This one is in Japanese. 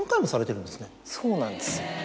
そうなんです。